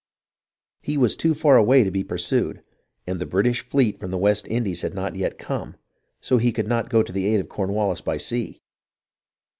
He was too far away to be pursued, and the British fleet from the West Indies had not yet come, so he could not go to the aid of Cornwallis by sea.